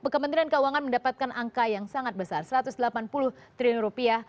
kementerian keuangan mendapatkan angka yang sangat besar satu ratus delapan puluh triliun rupiah